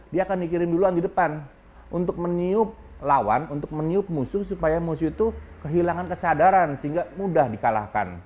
dia akan dikirim duluan di depan untuk meniup lawan untuk meniup musuh supaya musuh itu kehilangan kesadaran sehingga mudah dikalahkan